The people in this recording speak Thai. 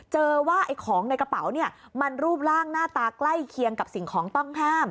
เจอว่าไอ้ของในกระเป๋าเนี่ยมันรูปร่างหน้าตาใกล้เคียงกับสิ่งของต้องห้าม